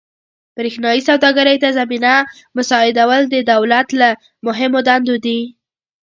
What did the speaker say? برېښنايي سوداګرۍ ته زمینه مساعدول د دولت له مهمو دندو دي.